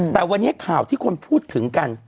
แต่วันนี้ข่าวที่คนพูดถึงกัน